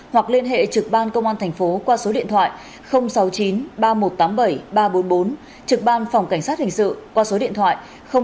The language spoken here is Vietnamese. hoặc liên hệ trực ban công an thành phố qua số điện thoại sáu mươi chín ba nghìn một trăm tám mươi bảy ba trăm bốn mươi bốn trực ban phòng cảnh sát hình sự qua số điện thoại sáu mươi chín ba nghìn một trăm tám mươi bảy hai trăm linh